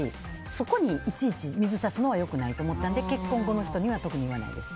そこにいちいち水差すのは良くないと思ったので結婚後の人には特に言わないです。